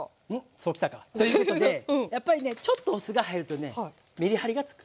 そう来たか。ということでやっぱりねちょっとお酢が入るとねメリハリがつく。